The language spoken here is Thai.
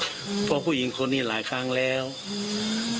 เพราะผู้หญิงคนนี้หลายครั้งแล้วอืม